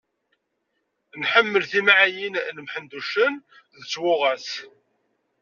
Nḥemmel timɛayin n Mḥend uccen, d twuɣa-s.